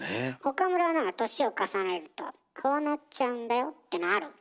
岡村は何か年を重ねるとこうなっちゃうんだよってのある？